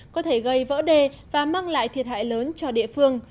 có thể gây vỡ đê và mang lại thiệt hại lớn cho địa phương